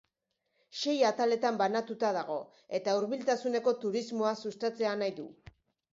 Sei ataletan banatuta dago eta hurbiltasuneko turismoa sustatzea nahi du.